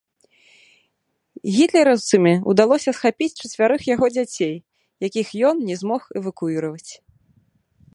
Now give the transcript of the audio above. Гітлераўцамі ўдалося схапіць чацвярых яго дзяцей, якіх ён не змог эвакуіраваць.